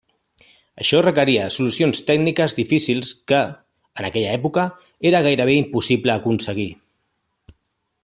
Això requeria solucions tècniques difícils que, en aquella època, era gairebé impossible aconseguir.